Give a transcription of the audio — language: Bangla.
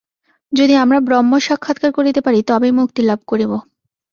যদি আমরা ব্রহ্ম সাক্ষাৎকার করিতে পারি, তবেই মুক্তিলাভ করিব।